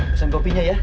pesan kopinya ya